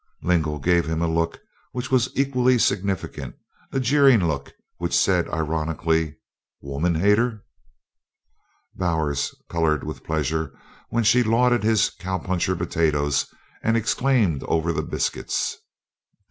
Lingle gave him a look which was equally significant, a jeering look which said ironically, "Woman hater!" Bowers colored with pleasure when she lauded his "cowpuncher potatoes" and exclaimed over the biscuits.